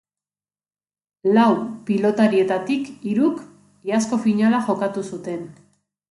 Lau pilotarietatik hiruk iazko finala jokatu zuten.